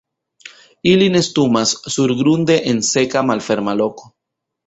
Ili nestumas surgrunde en seka malferma loko.